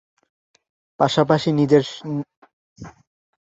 পাশাপাশি নিচেরসারিতে ডানহাতে ব্যাটিং করতেন তিনি।